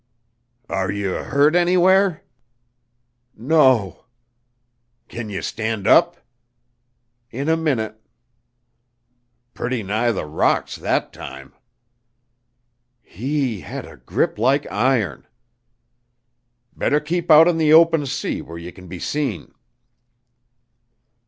"Are you hurt anywhere?" "No." "Can ye stand up?" "In a minute." "Pretty nigh the rocks that time." "He had a grip like iron." "Better keep out in the open sea where ye can be seen."